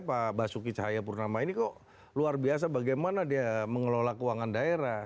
pak basuki cahaya purnama ini kok luar biasa bagaimana dia mengelola keuangan daerah